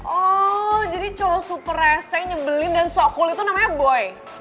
oh jadi cowok super rese yang nyebelin dan sok kulit tuh namanya boy